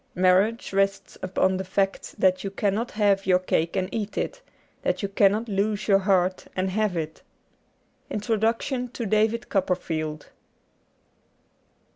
Marriage rests upon the fact that you cannot have your cake and eat it ; that you cannot lose your heart and have it. Introduction to ^ David Copperfield.